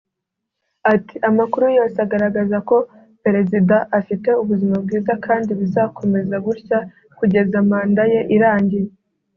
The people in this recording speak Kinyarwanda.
Ati “ Amakuru yose agaragaza ko perezida afite ubuzima bwiza kandi bizakomeza gutya kugeza manda ye irangiye